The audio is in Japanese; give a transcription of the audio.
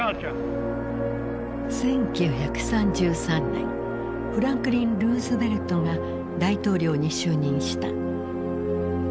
１９３３年フランクリン・ルーズベルトが大統領に就任した。